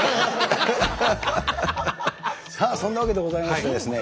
さあそんなわけでございましてですね